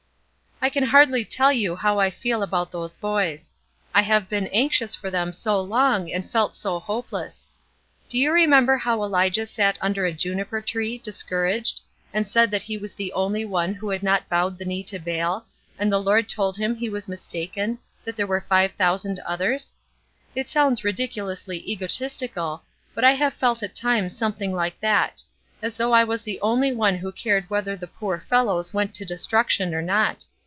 "I can hardly tell you how I feel about those boys. I have been anxious for them so long and felt so hopeless. Do you remember how Elijah sat under a juniper tree, discouraged, and said that he was the only one who had not bowed the knee to Baal, and the Lord told him he was mistaken, that there were five thousand others? It sounds ridiculously egotistical, but I have felt at times something like that; as though I was the only one who cared whether the poor fellows went to destruction or not.